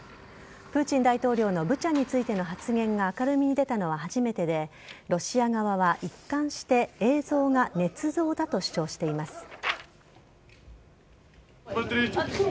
プーチン大統領のブチャについての発言が明るみに出たのは初めてでロシア側は一貫して映像がねつ造だと主張しています。